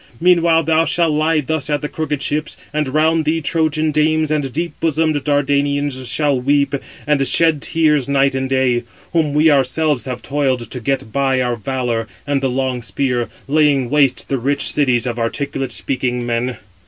Meanwhile thou shall lie thus at the crooked ships; and round thee Trojan [dames] and deep bosomed Dardanians shall weep and shed tears night and day; whom we ourselves have toiled to get by our valour and the long spear, laying waste the rich cities of articulate speaking men."